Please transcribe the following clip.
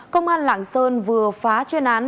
công an lạng sơn vừa phá chuyên án